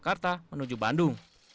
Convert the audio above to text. kedua kendaraan menuju bandung